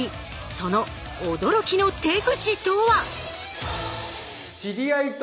その驚きの手口とは？